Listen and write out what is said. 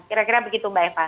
kira kira begitu mbak eva